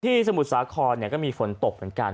ที่สมุทรสาครเนี่ยก็มีฝนตบเหมือนกัน